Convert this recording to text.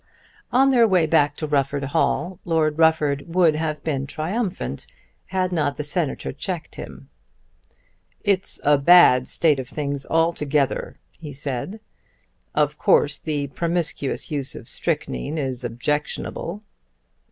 On their way back to Rufford Hall, Lord Rufford would have been triumphant, had not the Senator checked him. "It's a bad state of things altogether," he said. "Of course the promiscuous use of strychnine is objectionable."